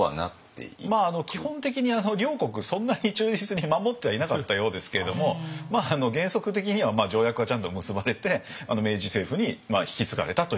基本的に両国そんなに忠実に守ってはいなかったようですけれども原則的には条約はちゃんと結ばれて明治政府に引き継がれたということですよね。